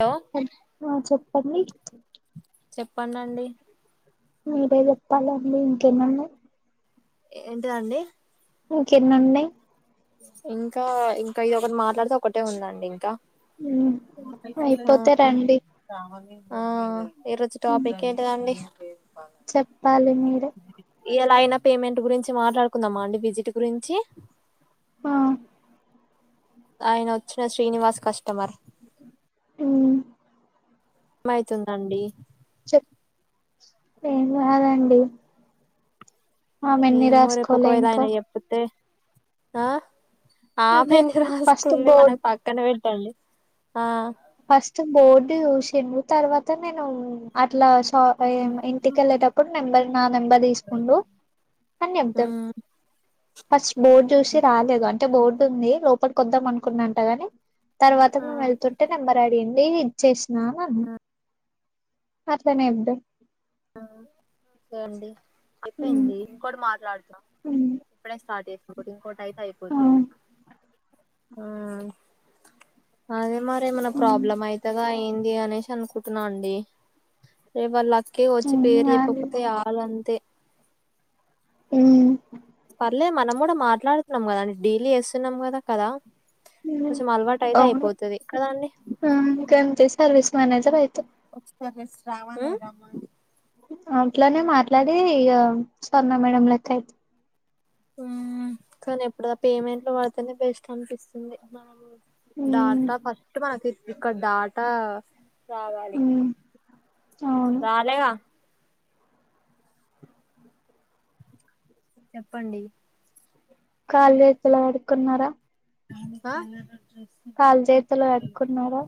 Hello హ ఆ చెప్పండి చెప్పండండి మీరే చెప్పాలండి ఇంకేమున్నాయ్ ఏంటిదండి ఇంకెన్నున్నాయి ఇంకా ఇంకా ఇది ఒకటి మాట్లాడితే ఒకటే ఉందండి ఇంకా హు ఆ అయిపోతే రండి ఈ రోజు ఉమ్ టోపిక్ ఏంటిదండి చెప్పాలి మీరే ఇయాలయినా పేమెంట్ గురించి మాట్లాడుకుందామా అండి విజిట్ గురించి ఆ ఆయనొచ్చిన శ్రీనివాస్ కస్టమర్ హూమ్ మైతుందండి చెప్ ఏం కాదండి ఆమె ఎన్ని ఏమో రేపు రాసుకోలే ఒకవేళ ఇంకా ఆయన చొప్పితే ఆ ఆఫే అదే ఎందుకు ఫస్ట్ రాస్తుంది బోర్డ్ మనకు పక్కన పెట్టండి ఆ ఫస్ట్ బోర్డు చూసింది తర్వాత నేను అట్లా ఆ ఏం ఇంటికెళ్ళేటప్పుడు మెంబర్ నా నెంబర్ తీసుకుండు కాని ఎం ఉమ్ ఫస్ట్ బోర్డ్ చూసి రాలేదు అం బోర్డు ఉంది లోపలి కొద్దాం అనుకున్నంట గాని తర్వాత ఆ మేము వెళ్తుం నెంబర్ అడిగింది ఇచ్చేసినా ఆ అట్లనే ఉంటా ఐపేయింది. ఇంకోటి మాట్లాడుతున్న ఇప్పుడే స్టార్ట్ చేస్నా ఇంకోటి అయితే అయిపోతది ఆ అదే మరేమైనా ప్రాబ్లమ్ అయ్యితదా ఏం అనేసి అనుకుటున్నా అండి రేపు వాళ్ళ కే వచ్చి పేరు చెప్పకపోతే రాదు అంతే మ్ లే మనం కూడా మాట్లాడుతున్నాం కదా అండి డైలీ చేేస్తున్నాం కదా కదా మ్ కొంచెం అలవాటు అయితే అవును అయిపోతది కదా అండి ఆ ఇంకంతే సర్వస్ మెనేజర్ అయ్యితవ్ ఒక సర్వీస్ రావాలిగా అట్లనే మాట్లాడి ఇగ స్వర్ణ మేడం లెక్క అయితవ్ మ్ కానీ ఎప్పుడు పేమెంట్ లు పడితనే బేస్ట్ అనిపిస్తుంది బా డాటా ఫస్ట్ మనకి ఇక్ ఇక్కడ్ డాటా రావాలి అవును రాలేగా చెప్పండి కాల్లు చేతులు కడుకున్నారా? ఆ కాల్ చేతులు కడుకున్నారా?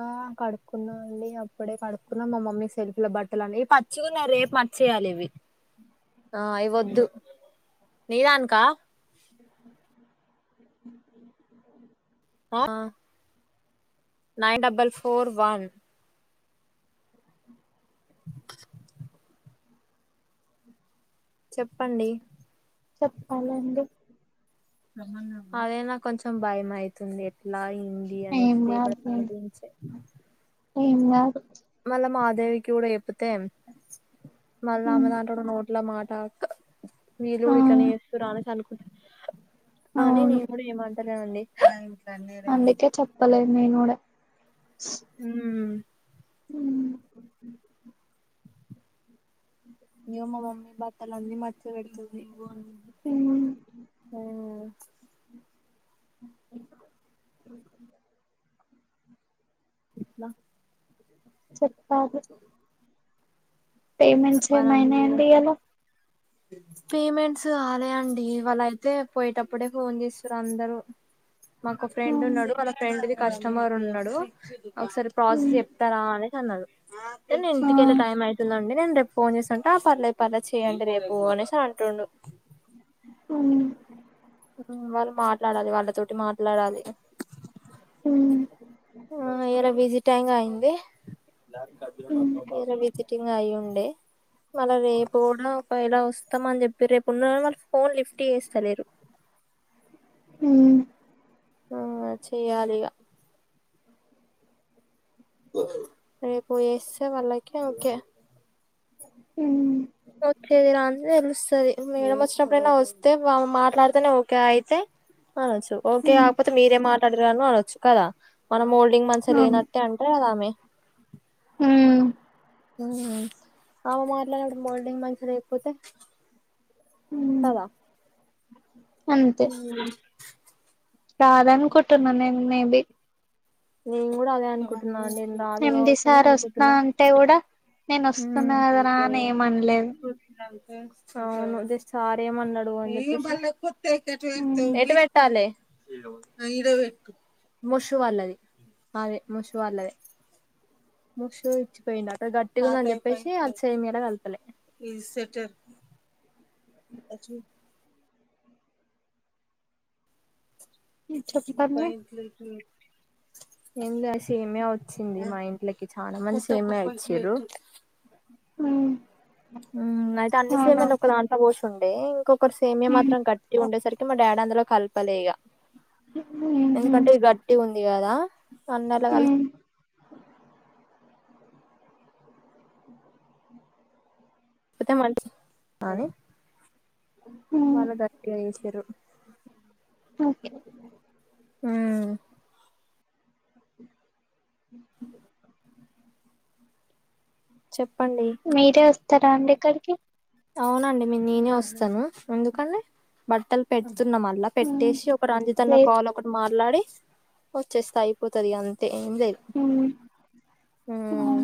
ఆ కడుక్కున్నా అండి అప్పుడే కడుక్కున్నాం మా మమ్మీ సెల్ఫ్ లో బట్టలు అన్ని పచ్చిగున్నాయ్ రేప్ మచ్చి ఆలివి ఆ ఇవి వద్దు నీ దానికా ఆ నైన్ డబల్ ఫోర్ వన్ చెప్పండి చెప్పాలండి అదె నా కొంచెం భయం అయితుంది ట్లా ఏంది ఏం అనేసి కాదులే రేపట్ల గురించే ఏం కాదు దేవికి కూడా చెప్పితే మళ్ళ ఆ ఆమే దాంట్లో కూడా నో ట్లా మాట వీళ్ళు కూడా ఇట్లనే చేస్తుర్రా అనేసి అనుకున్ అని అవును నేను కూడా ఏమంటలే అండి అందుకే చెప్పలేదు నేను కూడా మ్ ఉమ్ ఇగో మా మమ్మీ బట్టలు అన్ని మడత పెడుతుంది హా లా చెప్పాలి పేమెంట్స్ ఏం చెప్పాలండి అయ్యినయ్ మీరే యంబిఎ లో పేమెంట్స్ కాలే అండి ఈవాళ అయితే పోయేటప్పుడే ఫోన్ చేస్తుర్రు అందరూ మాకో ఆ ఫ్రెండ్ ఉన్నాడు. వాళ్ళ ఫ్రెండ్ది కస్టమర్ ఉన్నాడు ఒకసారి ప్రాస్ చెప్తారా అని అన్నాడు నేను ఇంటికెళ్ళి టైం అయితుందండి నేను రేపు ఫోన్ చేస్తాంటే ఆ పర్లే పర్లే చేయండి రేపు పోనేసి అంటుండు మ్ వాళ్ళు మాట్లాడాలి వాళ్ళతోటి మాట్లాడాలి ఉ ఆ ఎర బీజిటైంగా అయింది ఎర బిజి ఇంగ అయ్యుండే మళ్ళ రేపు కూడా ఒకేలా వస్తాం అని చెప్పి రేపు ఉన్నా వా ఫోన్ లిఫ్ట్ చేస్తలేరు ఆ చే్యాలిగా రేపొయ్యస్తే వాళ్ళకి ఓకే హ్మ్ సరే మేర వచ్చినప్పుడైనా వస్తే మాట్లాడితేనే ఓకే అయితే అనొచ్చు ఓకే కాకపోతే మీరేం మాట్లాడారను అనొచ్చు కదా మనం మోల్డింగ్ మంచిగా లేనట్టే అంటే కదా ఆమె ఉ హుమ్ అమ మాట్లాడడం మోల్డింగ్ మంచిగా లేకపోతే ఉమ్ కదా [unintelligible] రాదన్ అనుకుంటున్నా నేన్ మేబి నేను కూడా అదే అనుకుంటున్నాను నేన్ ఏం డి సార్ ఒస్తా అంటే కూడా నేను వస్తున్నా కదరా అని ఏమ అనలేదు అవును జస్ట్ సార్రేమన్నాడు అంటే ముషు వల్లది అదే ముషు వాల్లదే [inaudible] ముష ఇచ్చిపోయిండట అ గట్టిగుందని చెప్పేసి అది చే మీలా కలపలే అచ్చ చెప్పండి పాయింట్లు ఇక్డ్ పెట్ ఎంగాద్ సేమే అచ్చింది మా ఇంట్లకి చాలా మంది సేమే అచ్చింరు ఉమ్ అయితే అన్ని అవునా సేమ్యలు ఒక దాంట పోష్ ఉండే ఇంకొకర్ సేమ్యా మాత్రం గట్టి ఉండేసరికి మా డాడ అందులో కలపలే ఇగ ఎందుకంటే ఇది గట్టి ఉంది కదా నన్నెల కల్ ఉమ్ అయితే మా ఇంటి [unintelligible] ఉమ్ వాళ్ళ గట్టిగా చేసిర్రు ఓకే ఉమ్ [inaudible] చెప్ మీరే వస్తారా అండి ఇక్కడికి అవునండి మీ నేనే వస్తాను ఎందుకండి బట్టలు పెట్ తున్న మళ్ళ ఉమ్ పెట్టేసి ఒక అంజతన్న లేదు కాల్ ఒకటి మాట్లాడి వచ్చేస్త అయిపోతుంది అ టెన్జాయ్ అవును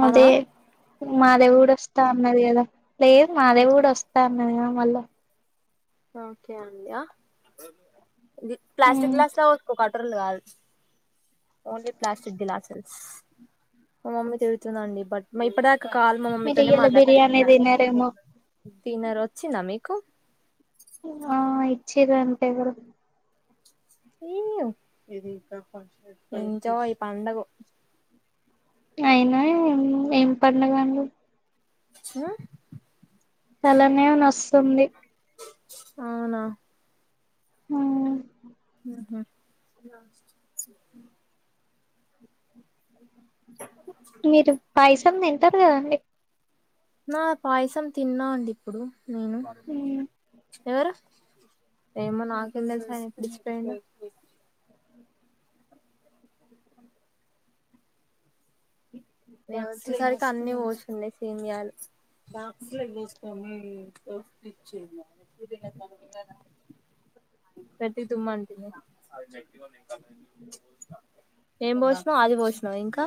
మద మాధవి కుడుస్త త అన్నాది గద లేదు మాదేవి కూడా వస్తా అన్నదిగ మళ్ళా ఓకే అండి అహకే ప్లాస్టిక్ ఉమ్ గ్లాస్ లా వసుకోకట్ ట్రర్లు గ్రూప్ ఓన్లీ ప్లాస్టిక్ గ్లాసెస్ మా మమ్మని తిరుగుతుంద అండి బట్ ఇప్పటిా ఇ కాలు మా మీరు మమ్మీతోనే ఇయ్యాల మాట్లాడ బిర్యానీ తినరేమో తన్నర్ వచ్చిందా మీకు ఆ ఇచ్చేర అంటే ఎవరో ్య ఎంజో ఈ పండఎయి అయినాం ఏం పడిన కాగా నీ హ [unintelligible] తలనే నుస్తుంది అవునా హుమ్ [unintelligible] మీరు పైసం తింటారు కదండి నా పాయసం తిన్నా అండి ఇప్పుడు నేను ఉమ్ ఎవరు ఏమో నాకు టెల్సని ఆయన అప్పుడ్ ఇచి పోయిన మేము వచ్చేసరికే అన్ని పోతున్నాయి సేమియాలు పెట్టి దుమ్ము అంటింది ఏం పోషినావ్ ఆయిల్ పోషినావా ఇంకా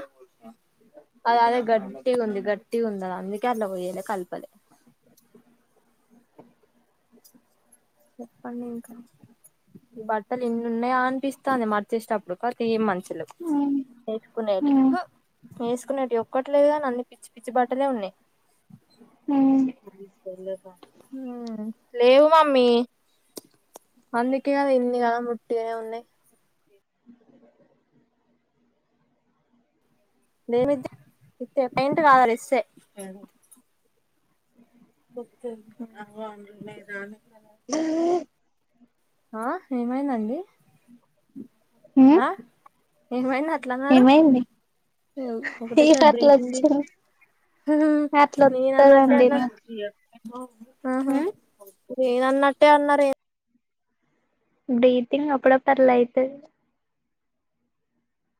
అది అదే గట్టిగుంది గట్టిగుంది అది అందుకే అన్లా పోయిలే కల్పలే చెప్పండి ఇంకా బట్టలు ఇన్ని ఉన్నాయా అనిపిస్తాంది మర్చేసేటప్పుడు కాతే ఏం మంచి ఉమ్ వేసుకునేటి ఉమ్ హు వేసుకునేటి ఒక్కట్లేదు కాని అన్ పిచ్చి పిచ్చి బట్టలే ఉన్నయ్ హు లేవు మమ్మీ అందుకే కద ఇన్ని గనం ఉట్టిగనే ఉన్నయ్ మేము ఇద్దర ఇత్తే పైయింట్ కాదు అది ఇస్తే కుత్తే ఆ అన్ రాణిత్తర ఆ ఏమైందండి హు ఏమండి అట్లన్నారు ఇగ ఒకటేసారి అట్లా బ్రీటింగ్ వచ్చింది అట్లా నేను అన్నట్టే వత్తదండి అన్నారు నాకు ఆహా ఉమ్ నేను అన్నట్టే అన్నారు బ్రీతింగ్ అప్పుడప్పుడు అట్ల అయ్యితది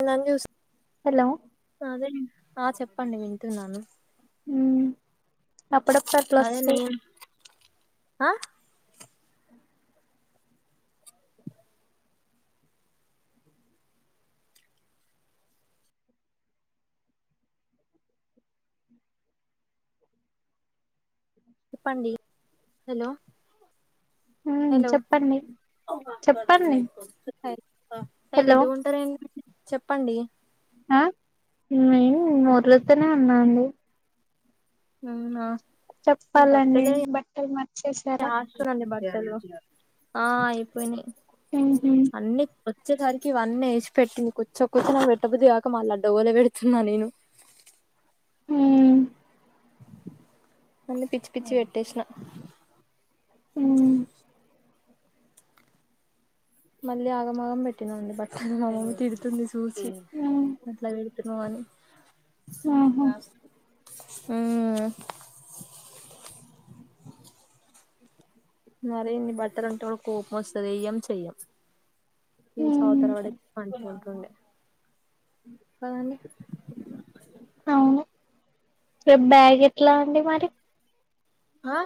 నన్ చూస్ హలో అదే ఆ చెప్పండి వింటున్నాను మ్ అప్పుడప్పుడు అట్ల వస్తయి అహ్ చెప్పండి హలో హు చెప్పండి చెప్పండి సై హలో సైలెంటుగా ఉంటారు ఎం చెప్పండి ఆ నేను ఒర్రూతునే ఉన్నాను అవునా ఈ చెప్పాలండి బట్టలే బట్టలు మర్చేసారా యాష్ట అండి బట్ హెలో ఆ అయిపోయిని ఉహు అన్ని వచ్చేసరికి ఇవన్నీ ఏసి పెట్టింది కూర్చొపోతే నా పెట్టబుద్ది గాక మళ్ళ లడ్డగలే పెడుతున్నా నేను హు అన్ని పిచ్చి పిచ్చి పేట్టేసిన ఉమ్ మళ్ళీ ఆగంమాగం పెట్టినండి బట్టలు మా మమ్మీ తిడుతుంది చూసి ఉమ్ అట్లా పెడుతున్నావ్ అని ఉహు మ్ మరి ఇన్ని బట్టలు ఉంటే కూడా కోపం వస్తది ఏం చెయ్యం ఇది తీసి ఉమ్ అవతలపడే మంచూకుండుడ్యూడ్ కాని అవును రేపు బ్యాగ్ ఎట్లా అండి మరి? ఆ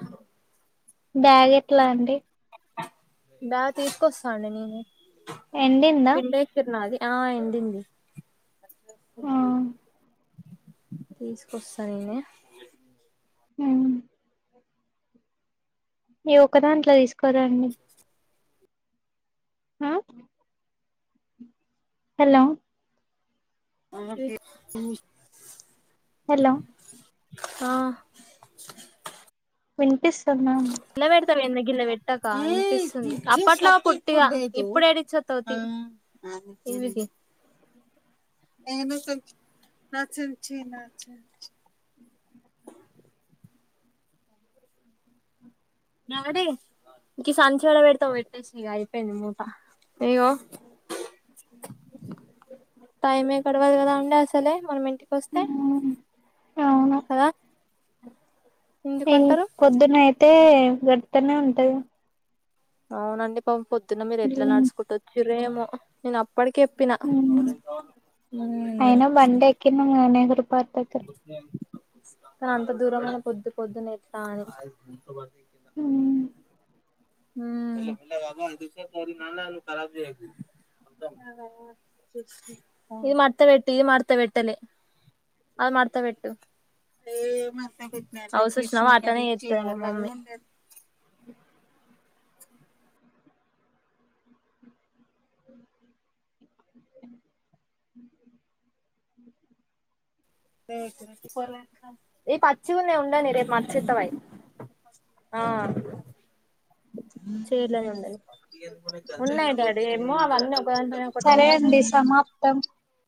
బ్యాగ్ ఎట్లా అండి? బ్యాగ్ తీసుకొస్తా అండి నేనే ఎండిందా పిండేసిర్రు నాది. ఆ ఎండింది ఆ తీసుకొస్తా నేనే హ ఈ ఒక్క దాంట్లో తీసుకోదాన్ని. హ హలో అ ఏ ఉ హలో ఆ వినిపిస్తుందా తర్ వెన్నగిల్ల పెట్టక అనిపిస్తుంది అప్పట్లో పుట్టిగా ఇప్పుడేడెచ్చోత్తావ్ తీ అ ఏవికి ఎ నాకోద్దు నాచ్చిచీ నా అ నాడే ఇ సంచిలలోపెడతా పెట్టేసి ఇగ అయిపోయింది మూత ఇగో [inaudible] తలే మనం ఇంటికొస్తే మ్ కదా ఇన్ ఎందుకంటారు పొద్దున అయితే గడితనే ఉంటంది. అవునండి పం పొద్దున్న మీరు ఎట్లా నడుచుకుంటువచ్చిరోమో నేను అ అప్పడికేప్పినా మ్ హు అయినా బండి ఎక్కినం కదా నెహ్రూ పార్క్ దగ్గర కానీ అంత దూరమైన పొద్దు పొద్దున ఎట్లా అని మ్ ఉమ్ [unintelligible] ఇది మడత పెట్టి ఇది మడత పెట్టలే అది మడత పెట్టు ఔచూసినవా అట్టనే చేస్తాది మా మమ్మీ [inaudible] ఈ పచ్చిగ ఉన్నాయి ఉండనీ రేప్ మచ్చతవై ఆ చేయలేని ఉండదు ఉన్నాయి డాడీ ఏమో అవన్ సరే అండి సమాప్తం.